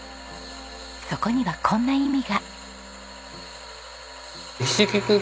そこにはこんな意味が。